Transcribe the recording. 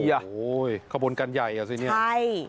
โอ้โหขบวนการใหญ่อ่ะสิเนี่ยใช่